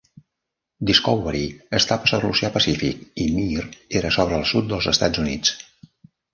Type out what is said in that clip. "Discovery" estava sobre l'oceà Pacífic i "Mir" era sobre el sud dels Estats Units.